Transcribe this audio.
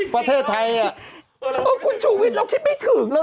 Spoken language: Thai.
ประเทศไทยอ่ะเออคุณชุวิตเราคิดไม่ถึง